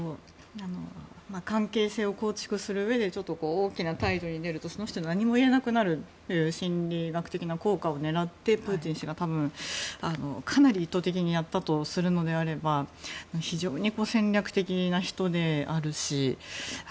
関係性を構築するうえでちょっと大きな態度で出るとその人は何も言えなくなるという心理学的な効果を狙ってプーチン氏が多分かなり意図的にやったとするのであれば非常に戦略的な人であるし。